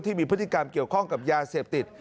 ที่มีพฤติกรรมเกี่ยวข้องกับยาเสพติด